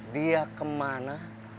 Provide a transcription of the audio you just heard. dia ke mana